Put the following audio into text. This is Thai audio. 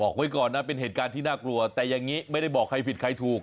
ไว้ก่อนนะเป็นเหตุการณ์ที่น่ากลัวแต่อย่างนี้ไม่ได้บอกใครผิดใครถูก